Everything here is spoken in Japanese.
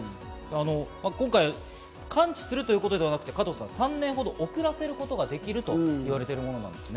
今回、完治するという事ではなく、３年ほど遅らせることができると言われています。